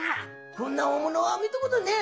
「こんな大物は見たことねえ。